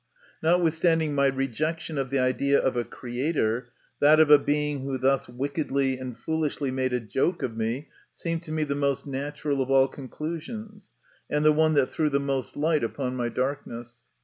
Notwithstanding my rejection of the idea of a Creator, that of a being who thus wickedly and foolishly made a joke of me seemed to me the most natural of all conclusions, and the one that threw the most light upon my darkness.